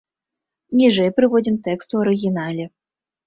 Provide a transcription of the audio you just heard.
Ніжэй прыводзім тэкст у арыгінале.